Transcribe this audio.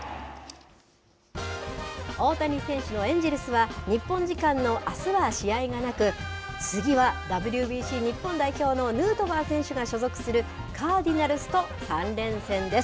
大谷選手のエンジェルスは、日本時間のあすは試合がなく、次はＷＢＣ日本代表のヌートバー選手が所属するカーディナルスと３連戦です。